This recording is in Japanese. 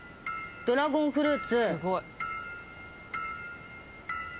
ドラゴンフルーツ。